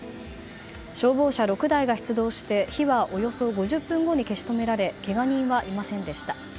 消防車６台が出動して火はおよそ５０分後に消し止められけが人はいませんでした。